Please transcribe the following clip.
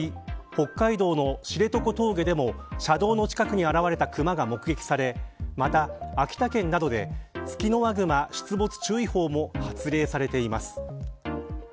北海道の知床峠でも車道の近くに現れたクマが目撃されまた秋田県などでツキノワグマ出没注意報も発令されています。